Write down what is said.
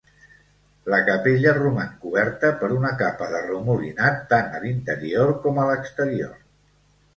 La capella roman coberta per una capa de remolinat tant a l'interior com a l'exterior.